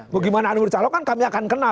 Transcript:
bagaimana anda mencalonkan kami akan kenal